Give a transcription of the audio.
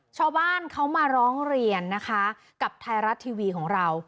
ชาวบ้านเขามาร้องเรียนนะคะกับไทยรัฐทีวีของเรา